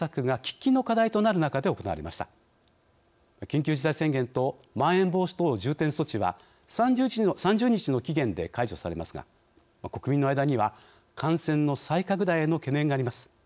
緊急事態宣言とまん延防止等重点措置は３０日の期限で解除されますが国民の間には感染の再拡大への懸念があります。